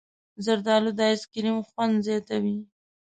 زردالو د ایسکریم خوند زیاتوي.